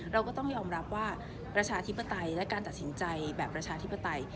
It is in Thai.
เราก็ต้องยอมรับว่าประชาธิปไตยและการตัดสินใจแบบประชาธิปไตย